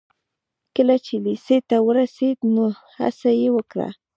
کله چې لېسې ته ورسېد نو هڅه يې وکړه.